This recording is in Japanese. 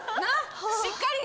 しっかり！